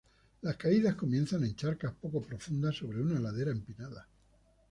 Las caídas comienzan en charcas poco profundas sobre una ladera empinada.